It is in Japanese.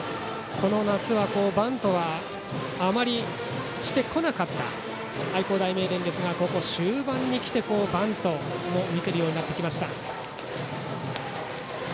この夏はバントはあまりしてこなかった愛工大名電ですが終盤に来てバントも見せるようになってきました。